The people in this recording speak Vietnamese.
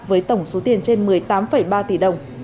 với tổng số tiền trên một mươi tám ba tỷ đồng